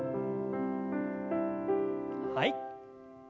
はい。